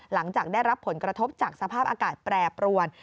หลังจากได้รับผลกระทบจากสภาพอากาศแปรปรวน